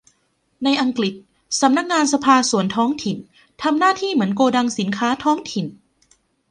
ในอังกฤษ สำนักงานสภาส่วนท้องถิ่นทำหน้าที่เหมือนโกดังสินค้าท้องถิ่น